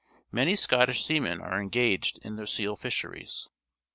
Many Scottish seamen are engaged in the seal fisheries.